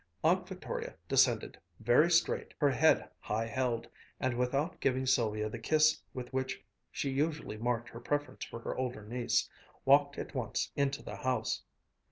Aunt Victoria descended, very straight, her head high held, and without giving Sylvia the kiss with which she usually marked her preference for her older niece, walked at once into the house.